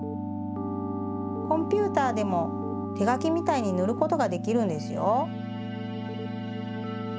コンピューターでもてがきみたいにぬることができるんですよ。